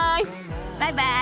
バイバイ！